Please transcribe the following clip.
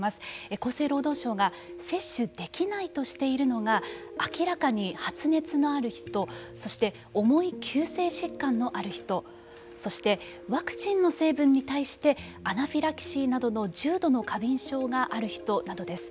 厚生労働省が接種できないとしているのが明らかに発熱のある人そして重い急性疾患のある人そしてワクチンの成分に対してアナフィラキシーなどの重度の過敏症がある人などです。